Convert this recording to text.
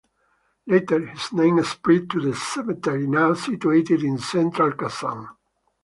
Later, this name spread to the cemetery, now situated in Central Kazan.